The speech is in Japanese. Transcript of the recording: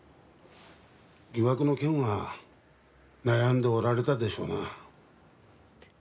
疑惑の件は悩んでおられたでしょうな。